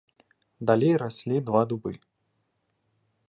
Далей раслі два дубы.